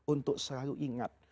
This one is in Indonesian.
untuk selalu ingat